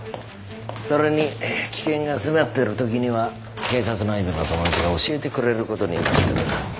それに危険が迫ってるときには警察内部の友達が教えてくれることになってる。